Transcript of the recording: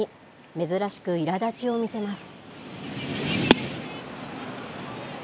珍しくいらだちを見せます。